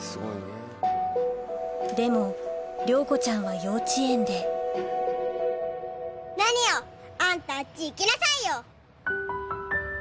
でも亮子ちゃんは幼稚園で何よあんたあっち行きなさいよ！